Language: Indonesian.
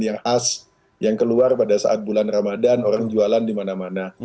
yang as yang keluar pada saat bulan ramadan orang jualan di mana mana